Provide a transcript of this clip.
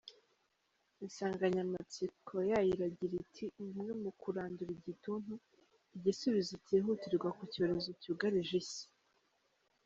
Insanganyamatsiko yayo iragira iti “Ubumwe mu kurandura igituntu: Igisubizo cyihutirwa ku cyorezo cyugarije Isi”.